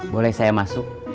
boleh saya masuk